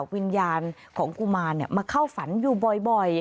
วิญญาณของกุมารมาเข้าฝันอยู่บ่อย